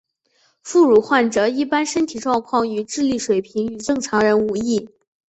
副乳患者一般身体情况和智力水平与正常人无异。